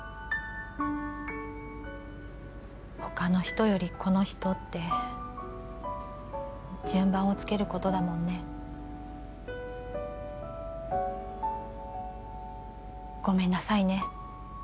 「他の人よりこの人」って順番をつけることだもんねごめんなさいね